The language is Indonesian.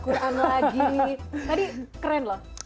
tadi keren loh